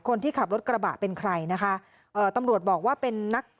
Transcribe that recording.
คนที่ขับรถกระบะเป็นใครนะคะเอ่อตำรวจบอกว่าเป็นนัก